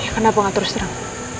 kenapa gak terus terang